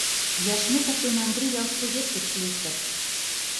Яшметов ден Андри ялсовет гыч лектыт.